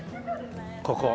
ここ。